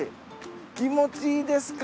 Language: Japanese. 気持ちいいですか？